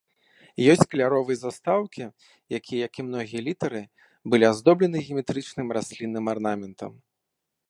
Ёсць каляровыя застаўкі, якія, як і многія літары, былі аздоблены геаметрычным і раслінным арнаментам.